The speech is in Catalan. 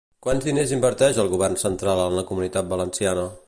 Quants diners inverteix el govern central en la Comunitat Valenciana?